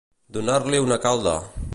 Donar-li una calda.